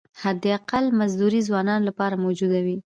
حداقل مزدوري ځوانانو لپاره موجوده وي.